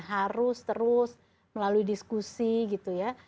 harus terus melalui diskusi gitu ya